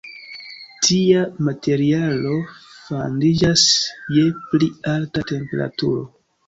Tia materialo fandiĝas je pli alta temperaturo.